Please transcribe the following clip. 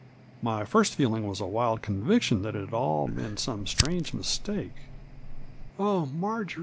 My first feeling was a wild conviction that it had all been some strange mistake — ^that Marjory was not dead.